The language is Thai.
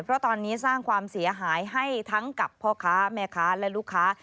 เพราะตอนนี้สร้างความเสียหายให้ทั้งกับพ่อค้าแม่ค้าและลูกค้า